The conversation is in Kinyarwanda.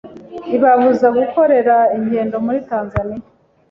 ibabuza gukorera ingendo muri Tanzania